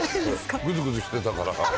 ぐずぐずしてたから。